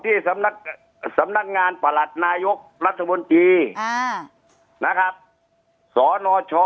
ที่สำนักสำนักงานประหลัดนายกรัฐมนตรีอ่านะครับสนช